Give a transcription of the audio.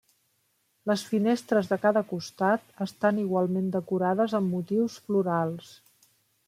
Les finestres de cada costat estan igualment decorades amb motius florals.